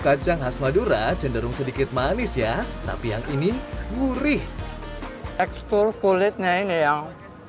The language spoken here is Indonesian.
kacang khas madura cenderung sedikit manis ya tapi yang ini gurih ekspor kulitnya ini yang